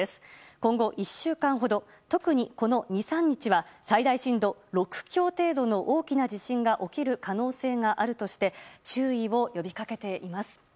今後１週間ほど特に、この２３日は最大震度６強程度の大きな地震が起きる可能性があるとして注意を呼びかけています。